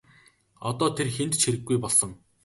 Одоо тэр хэнд ч хэрэггүй болсон.